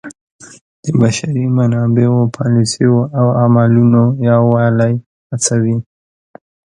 د بشري منابعو پالیسیو او عملونو یووالی هڅوي.